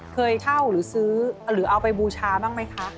เคยเช่าหรือซื้อหรือเอาไปบูชาบ้างไหมคะ